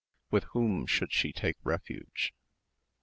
With whom should she take refuge?